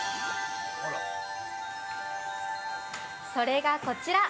それが、こちら。